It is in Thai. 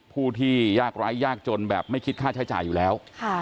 ทุกคนครรภ์มียากร้ายยากจนแบบไม่คิดค่าใช้จ่ายอยู่แล้ว